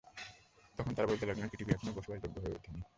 তখন তারা বলতে লাগলেন, পৃথিবী এখনও বসবাসযোগ্য হয়ে উঠেনি।